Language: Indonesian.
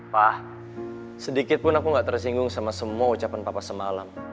pa sedikitpun aku gak tersinggung sama semua ucapan papa semalam